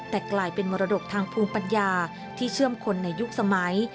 แต่กลายเป็นมรดกทางภูมิปัญญาที่เชื่อมคนในยุคสมัย